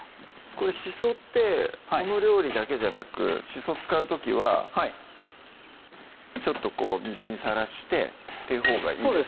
これしそってこの料理だけじゃなくしそ使う時ははいちょっとこう水にさらしてっていうほうがいいんですか？